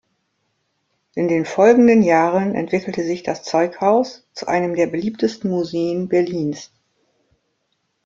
In den folgenden Jahren entwickelte sich das Zeughaus zu einem der beliebtesten Museen Berlins.